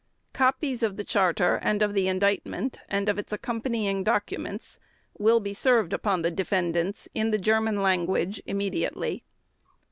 "Copies of the Charter and of the Indictment and of its accompanying documents will be served upon the defendants in the German language immediately.